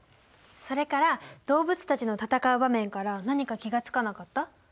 それから動物たちの闘う場面から何か気が付かなかった？